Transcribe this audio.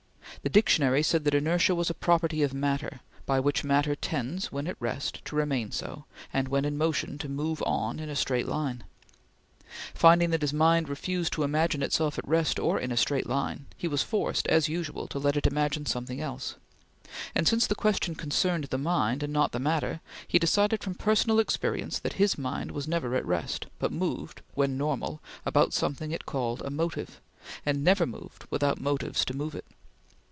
The dictionary said that inertia was a property of matter, by which matter tends, when at rest, to remain so, and, when in motion, to move on in a straight line. Finding that his mind refused to imagine itself at rest or in a straight line, he was forced, as usual, to let it imagine something else; and since the question concerned the mind, and not matter, he decided from personal experience that his mind was never at rest, but moved when normal about something it called a motive, and never moved without motives to move it.